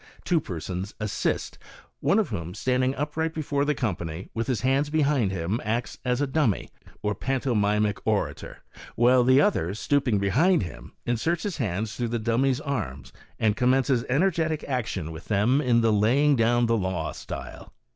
Two persons " assist," one of whom, stand ing upright before the company, with his hands behind him, act3 as a " dummy," or pantomimic orator, while the other, stooping behind him, inserts his hands through the " dummy's " arms, and commences energetic action with them in the "laying down the law" style.